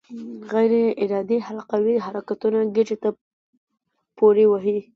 غیر ارادي حلقوي حرکتونه ګېډې ته پورې وهي.